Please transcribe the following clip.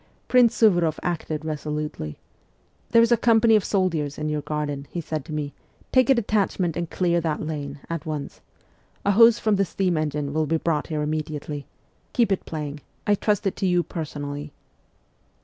Prince Suvoroff acted resolutely. ' There is a company of soldiers in your garden,' he said to me :' take a detachment and clear that lane at once. A hose from the steam engine will be brought here immediately. Keep it playing. I trust it to you personally.'